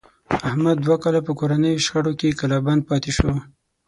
احمد دوه کاله په کورنیو شخړو کې کلا بند پاتې شو.